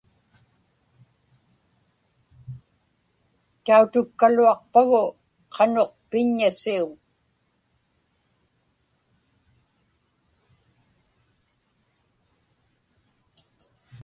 Tautukkaluaqpagu qanuq piññasiuŋ.